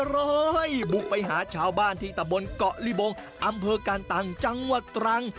ร้อยบุกไปหาชาวบ้านที่ตะบนเกาะลิบงอำเภอการตังจังหวัดตรัง